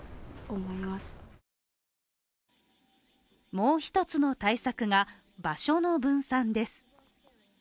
もう一つの対策が場所の分散です。